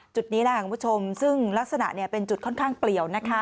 จุดนี้แหละคุณผู้ชมซึ่งลักษณะเป็นจุดค่อนข้างเปลี่ยวนะคะ